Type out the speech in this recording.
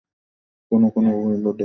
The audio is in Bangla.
কোন কোন কী বোর্ডে উপরের দিকেও থাকে।